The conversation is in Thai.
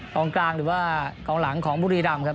กลางกลางหรือว่ากองหลังของบุรีรำครับ